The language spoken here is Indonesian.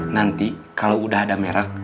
nanti kalau udah ada merek